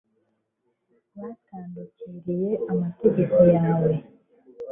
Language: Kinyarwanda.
batandukiriye amategeko yawe